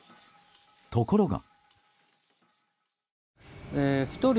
ところが。